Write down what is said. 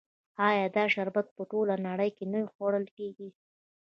آیا دا شربت په ټوله نړۍ کې نه خوړل کیږي؟